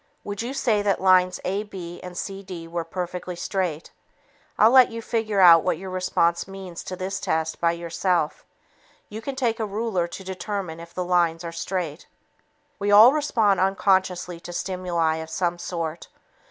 Would you say that lines AB and CD were perfectly straight? I'll let you figure out what your response means to this test by yourself. You can take a ruler to determine if the lines are straight. We all respond unconsciously to stimuli of some sort.